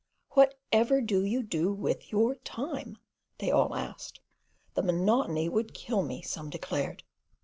"Whatever do you do with your time?" they all asked. "The monotony would kill me," some declared.